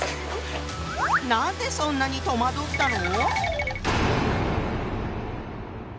なんでそんなに戸惑ったの？